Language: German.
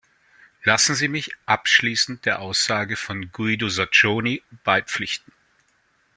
Lassen Sie mich abschließend der Aussage von Guido Sacconi beipflichten.